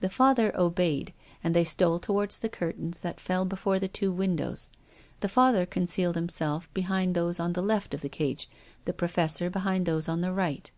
The Father obeyed, and they stole towards the curtains that fell before the two windows. The Father concealed himself behind those on the left of the cage, the Professor behind those on the right.